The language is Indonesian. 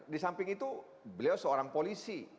di samping itu beliau seorang polisi